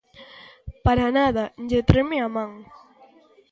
Para nada lle treme a man.